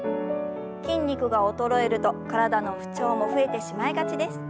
筋肉が衰えると体の不調も増えてしまいがちです。